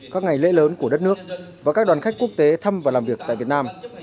các ngày lễ lớn của đất nước và các đoàn khách quốc tế thăm và làm việc tại việt nam